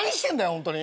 ホントに！